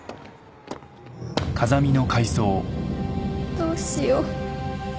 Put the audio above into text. どうしよう